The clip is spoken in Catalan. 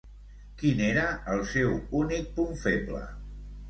Quin era el seu únic punt feble?